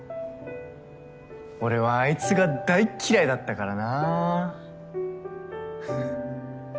俺はあいつが大っ嫌いだったからな。ははっ。